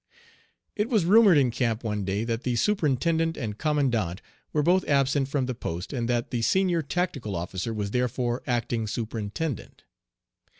It was rumored in camp one day that the superintendent and commandant were both absent from the post, and that the senior tactical officer was therefore acting superintendent.